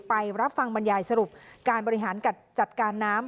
ไปรับฟังบรรยายสรุปการบริหารจัดการน้ำ